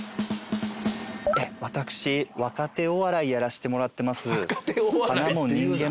私若手お笑いやらしてもらってます。